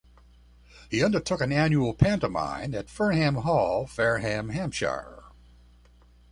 He undertook an annual pantomime at Fernham Hall, Fareham, Hampshire.